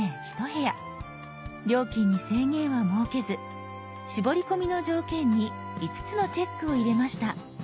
料金に制限は設けず絞り込みの条件に５つのチェックを入れました。